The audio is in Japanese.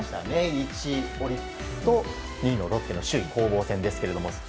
１位のオリックスと２位のロッテの首位攻防戦ですが。